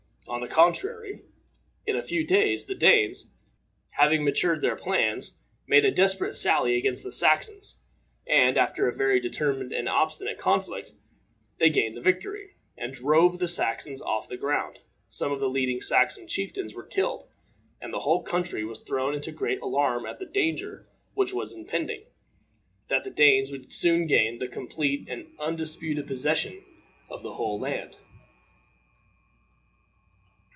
On the contrary, in a few days, the Danes, having matured their plans, made a desperate sally against the Saxons, and, after a very determined and obstinate conflict, they gained the victory, and drove the Saxons off the ground. Some of the leading Saxon chieftains were killed, and the whole country was thrown into great alarm at the danger which was impending, that the Danes would soon gain the complete and undisputed possession of the whole land.